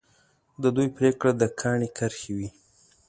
د دوی پرېکړه د کاڼي کرښه وي.